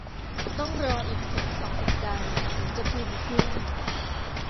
ต้องรออีกถึงสองสัปดาห์ ถึงจะภูมิขึ้น